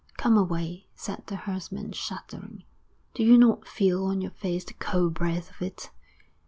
'Come away,' said the herdsman, shuddering. 'Do you not feel on your face the cold breath of it?'